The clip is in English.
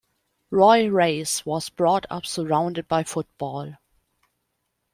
Roy Race was brought up surrounded by football.